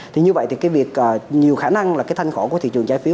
thì như vậy thì cái việc nhiều khả năng là cái thanh khổ của thị trường trái phiếu